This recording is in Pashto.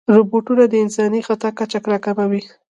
روبوټونه د انساني خطا کچه راکموي.